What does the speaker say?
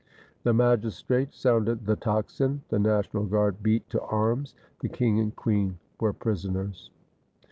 The magis trates sounded the tocsin: the National Guard beat to arms: the king and queen were prisoners.